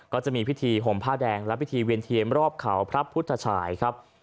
ก็จะมีพิธีห่มผ้าแดงและพิธีเวียนเทียมรอบเขาพระพุทธชายครับ